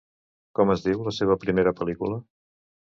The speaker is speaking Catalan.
Com es diu la seva primera pel·licula?